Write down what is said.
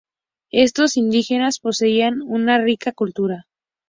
Estos indígenas poseían una rica cultura.